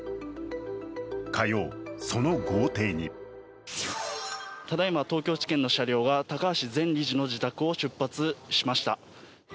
火曜、その豪邸にただいま、東京地検の車両が高橋氏の自宅を出発しました。